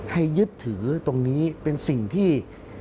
ยึดถือตรงนี้เป็นสิ่งที่